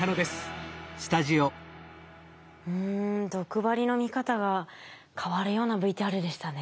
うん毒針の見方が変わるようなＶＴＲでしたね。